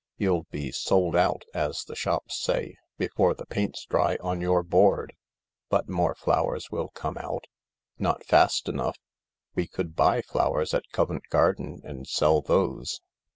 You'll be 'sold out/ as the shops say, before the paint's dry on your board." " But more flowers will come out." " Not fast enough." 94 We could buy flowers at Covent Garden and sell those."